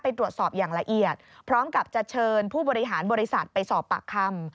ไปตรวจสอบอย่างละเอียดพร้อมกับจะเชิญผู้บริหารบริษัทไปสอบปากคำ